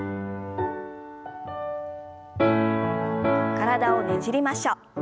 体をねじりましょう。